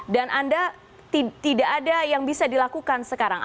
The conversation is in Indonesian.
dan anda tidak ada yang bisa dilakukan sekarang